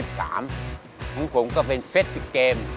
ผมก็เป็นเฟส๑๐เกม